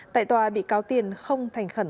tại tòa bị cáo tiền không thành khẩn